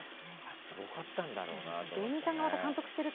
すごかったんだろうなと思って。